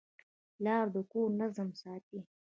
پلار د کور نظم ساتي.